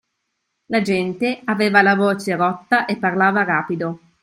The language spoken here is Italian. L’agente aveva la voce rotta e parlava rapido.